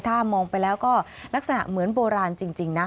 ถ้ามองไปแล้วก็ลักษณะเหมือนโบราณจริงนะ